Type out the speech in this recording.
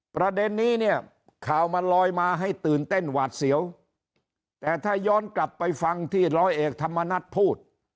ประเด็นนี้เนี่ยข่าวมันลอยมาให้ตื่นเต้นหวาดเสียวแต่ถ้าย้อนกลับไปฟังที่ร้อยเอกธรรมนัฐพูด